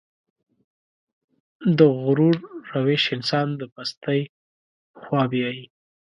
د غرور روش انسان د پستۍ په خوا بيايي.